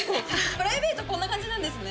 プライベートこんな感じなんですね。